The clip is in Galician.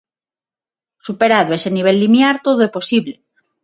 Superado ese nivel limiar, todo é posible.